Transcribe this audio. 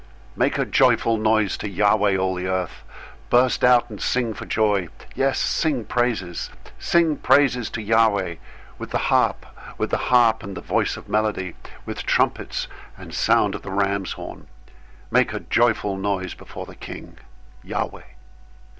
098:004 Make a joyful noise to Yahweh, all the earth! Burst out and sing for joy, yes, sing praises! 098:005 Sing praises to Yahweh with the harp, with the harp and the voice of melody. 098:006 With trumpets and sound of the ram's horn, make a joyful noise before the King, Yahweh.